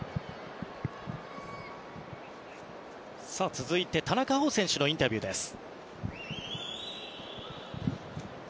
続いて、田中碧選手のインタビューです。